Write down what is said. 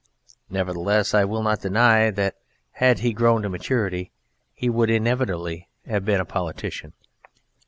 Nevertheless I will not deny that had he grown to maturity he would inevitably have been a politician.